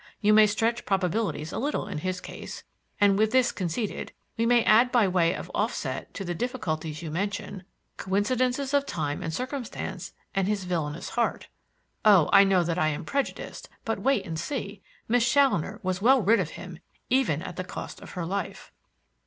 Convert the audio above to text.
You may stretch probabilities a little in his case; and with this conceded, we may add by way of off set to the difficulties you mention, coincidences of time and circumstance, and his villainous heart. Oh, I know that I am prejudiced; but wait and see! Miss Challoner was well rid of him even at the cost of her life."